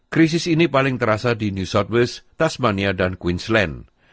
krisis ini paling terasa di new south wales tasmania dan queensland